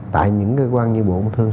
tại những cái quan như bộ công thương